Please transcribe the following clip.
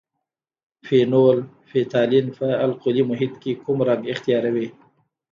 فینول فتالین په القلي محیط کې کوم رنګ اختیاروي؟